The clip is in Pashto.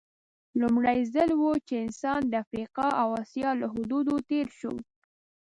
لومړی ځل و چې انسان د افریقا او اسیا له حدودو تېر شو.